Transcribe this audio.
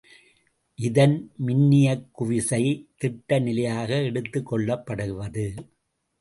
இதன் மின்னியக்குவிசை திட்ட நிலையாக எடுத்துக் கொள்ளப்படுவது.